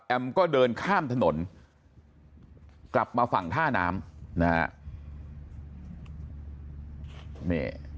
ก็เดินข้ามถนนกลับมาฝั่งท่าน้ำนะฮะ